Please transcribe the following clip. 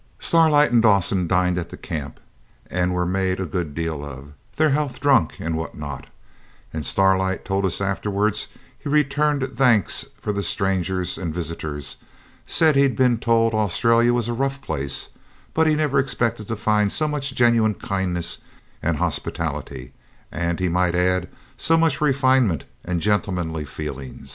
Starlight and the Dawsons dined at the camp, and were made a good deal of their health drunk and what not and Starlight told us afterwards he returned thanks for the strangers and visitors; said he'd been told Australia was a rough place, but he never expected to find so much genuine kindness and hospitality and, he might add, so much refinement and gentlemanly feeling.